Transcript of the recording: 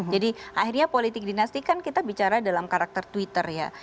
akhirnya politik dinasti kan kita bicara dalam karakter twitter ya